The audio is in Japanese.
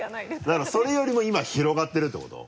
だからそれよりも今は広がってるってこと？